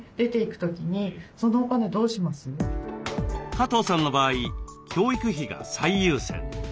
加藤さんの場合教育費が最優先。